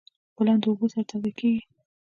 ګلان د اوبو سره تازه کیږي.